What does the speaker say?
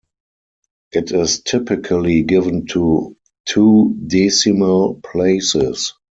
It is typically given to two decimal places.